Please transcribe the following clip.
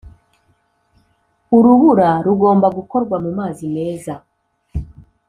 Urubura rugomba gukorwa mu mazi meza